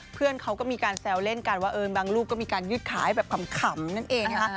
เพื่อนเขาก็มีการแซวเล่นกันว่าบางรูปก็มีการยืดขายแบบขำนั่นเองนะคะ